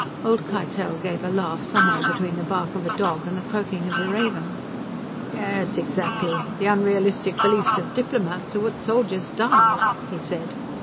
Old Keitel gave a laugh, somewhere between the bark of a dog and the croaking of a raven. "Yes, exactly! The unrealistic beliefs of diplomats are what soldiers die of," he said.